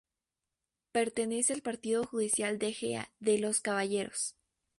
Pertenece al partido judicial de Ejea de los Caballeros.